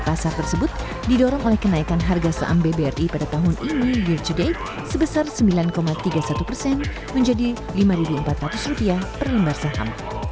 pasar tersebut didorong oleh kenaikan harga saham bbri pada tahun ini year to date sebesar sembilan tiga puluh satu persen menjadi rp lima empat ratus per lembar saham